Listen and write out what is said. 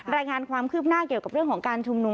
รายงานความคืบหน้าเกี่ยวกับเรื่องของการชุมนุม